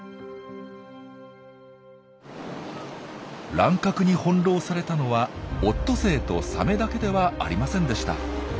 乱獲に翻弄されたのはオットセイとサメだけではありませんでした。